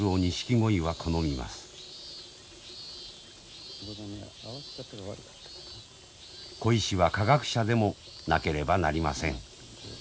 鯉師は科学者でもなければなりません。